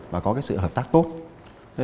và có cái sự hợp tác tốt